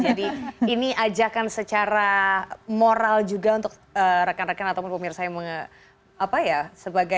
jadi ini ajakan secara moral juga untuk rekan rekan atau pemirsa yang mau ya sebagai